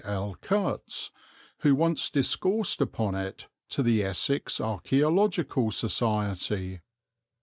L. Cutts, who once discoursed upon it to the Essex Archæological Society.